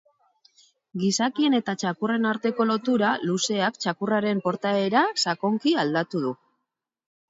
Gizakien eta txakurren arteko lotura luzeak txakurraren portaera sakonki aldatu du.